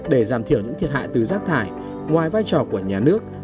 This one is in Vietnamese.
để giảm thiểu những thiệt hại từ rác thải ngoài vai trò của nhà nước